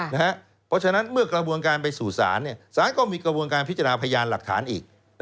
เพราะฉะนั้นเมื่อกระบวนการไปสู่ศาลศาลก็มีกระบวนการพิจารณาพยานหลักฐานอีก